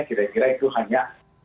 kira kira itu hanya